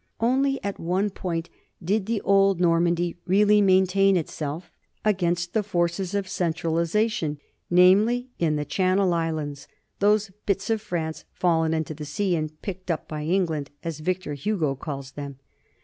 Only at one point did the old Normandy really main tain itself against the forces of centralization, namely in the Channel Islands, those "bits of France fallen into the sea and picked up by England," as Victor Hugo calls them.